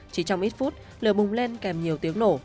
chỉ trong ít phút lửa bùng lên kèm nhiều tiếng nổ